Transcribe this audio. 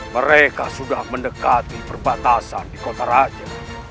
mereka sudah mendekati perbatasan di kota raja